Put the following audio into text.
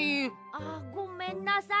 あっごめんなさい。